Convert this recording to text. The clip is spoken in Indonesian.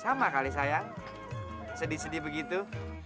sama kali saya sedih sedih begitu